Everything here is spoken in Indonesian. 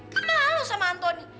kemalu sama antoni